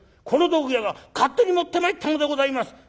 『この道具屋が勝手に持ってまいったのでございます』。